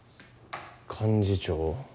幹事長？